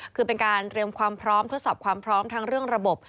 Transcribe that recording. คือเป็นการเตรียมความพร้อมทดสอบความพร้อมทั้งเรื่องระบบ